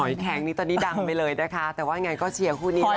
หอยแข็งนี่ตอนนี้ดังไปเลยนะคะแต่ว่าอย่างไรก็เชียร์คู่นี้นะคะ